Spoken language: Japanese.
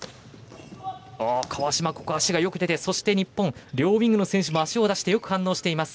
川嶋、足がよく出て日本、両ウイングの選手も足を出してよく反応しています。